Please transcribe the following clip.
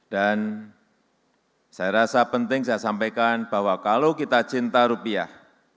dan saya rasa penting saya sampaikan bahwa kalau kita cinta rupiah